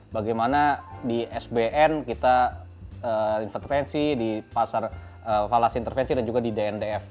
bagaimana di sbn kita intervensi di pasar falas intervensi dan juga di dndf